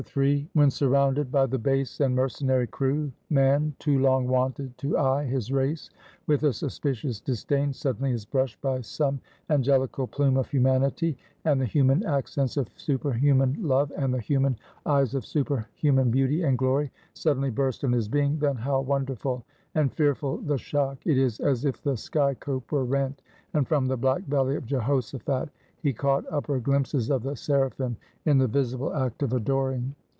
When surrounded by the base and mercenary crew, man, too long wonted to eye his race with a suspicious disdain, suddenly is brushed by some angelical plume of humanity, and the human accents of superhuman love, and the human eyes of superhuman beauty and glory, suddenly burst on his being; then how wonderful and fearful the shock! It is as if the sky cope were rent, and from the black valley of Jehoshaphat, he caught upper glimpses of the seraphim in the visible act of adoring.